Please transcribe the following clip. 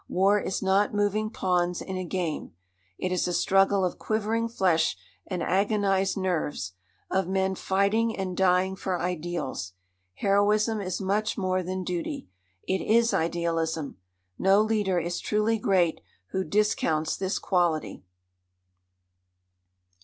War is not moving pawns in a game; it is a struggle of quivering flesh and agonised nerves, of men fighting and dying for ideals. Heroism is much more than duty. It is idealism. No leader is truly great who discounts this quality.